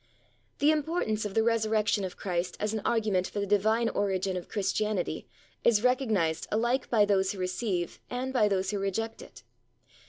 The importance of the Resurrection of Christ as an argument for the Divine origin of Christianity is recognised alike by those who receive and by those who reject it.